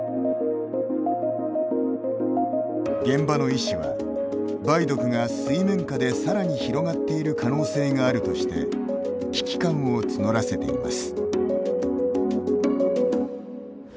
現場の医師は梅毒が水面下でさらに広がっている可能性があるとして危機感を募らせています。